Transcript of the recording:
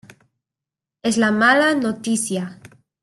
es la mala noticia.